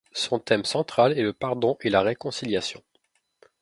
Son thème central est le pardon et la réconciliation.